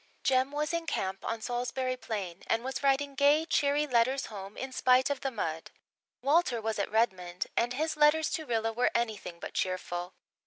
Jem was in camp on Salisbury Plain and was writing gay, cheery letters home in spite of the mud. Walter was at Redmond and his letters to Rilla were anything but cheerful.